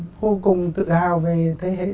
vô cùng tự hào về thế hệ